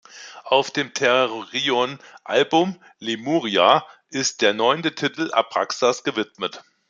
Auf dem Therion-Album "Lemuria" ist der neunte Titel Abraxas gewidmet.